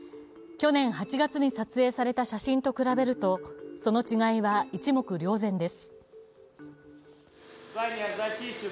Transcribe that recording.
去年８月に撮影された写真と比べるとその違いは一目瞭然です。